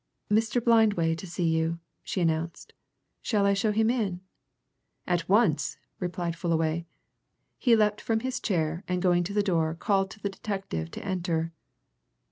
"Mr. Blindway to see you," she announced. "Shall I show him in?" "At once!" replied Fullaway. He leapt from his chair, and going to the door called to the detective to enter.